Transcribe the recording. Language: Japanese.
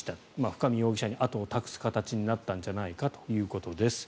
深見容疑者に後を託す形になったんじゃないかということです。